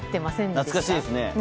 懐かしいですね。